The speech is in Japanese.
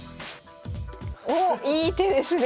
おっいい手ですね